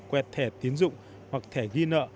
quẹt thẻ tiến dụng hoặc thẻ ghi nợ